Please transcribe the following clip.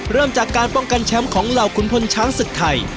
เริ่มจากการป้องกันแชมป์ของเหล่าขุนพลช้างศึกไทย